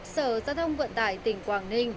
sở gia thông vận tải tỉnh quảng ninh